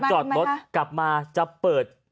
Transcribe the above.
จอดรถกลับมาจะเปิด